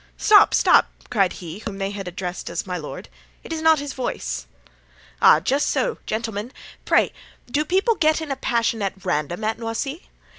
"Stop, stop!" cried he whom they had addressed as "my lord;" "'tis not his voice." "Ah! just so, gentlemen! pray, do people get into a passion at random at Noisy?